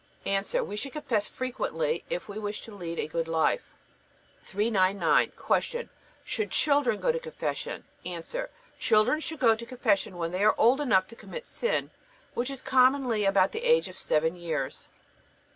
A. We should confess frequently, if we wish to lead a good life. 399. Q. Should children go to Confession? A. Children should go to Confession when they are old enough to commit sin, which is commonly about the age of seven years.